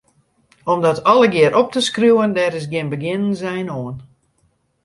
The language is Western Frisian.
Om dat allegearre op te skriuwen, dêr is gjin begjinnensein oan.